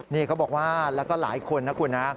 นี่เขาบอกว่าแล้วก็หลายคนนะคุณนะ